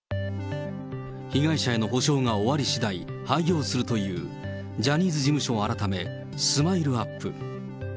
被害者への補償が終わりしだい廃業するという、ジャニーズ事務所改め、スマイルアップ。